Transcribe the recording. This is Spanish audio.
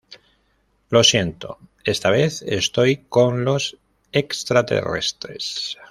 Lo siento, esta vez estoy con los extraterrestres".